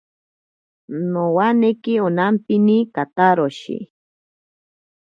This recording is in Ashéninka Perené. Nowaneki onampini kataroshi.